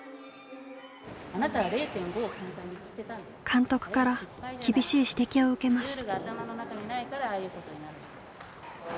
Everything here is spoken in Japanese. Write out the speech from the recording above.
監督から厳しい指摘を受けます。